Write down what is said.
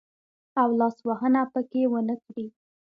او لاس وهنه پکښې ونه کړي.